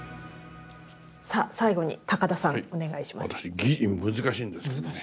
さあ最後に高田さんお願いします。